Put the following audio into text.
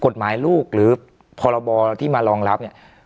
กฎหมายลูกหรือพบที่มารองรับ